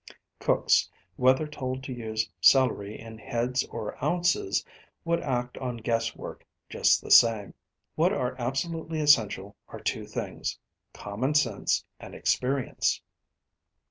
Cooks, whether told to use celery in heads or ounces, would act on guess work just the same. What are absolutely essential are two things common sense and experience.